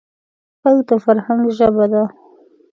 غږ د فرهنګ ژبه ده